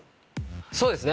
そうですね